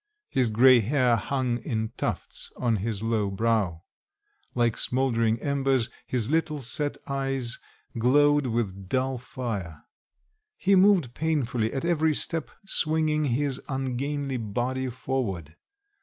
His grey hair hung in tufts on his low brow; like smouldering embers, his little set eyes glowed with dull fire. He moved painfully, at every step swinging his ungainly body forward.